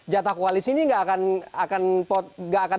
jatah koalisi ini nggak akan